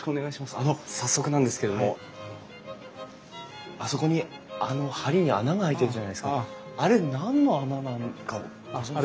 あの早速なんですけどもあそこにあの梁に穴が開いてるじゃないですかあれ何の穴なのか。